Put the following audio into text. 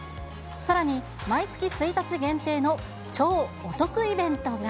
さらに、毎月１日限定の超お得イベントが。